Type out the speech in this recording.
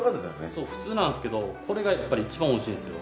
そう普通なんすけどこれがやっぱりいちばんおいしいんですよ。